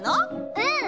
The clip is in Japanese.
うん！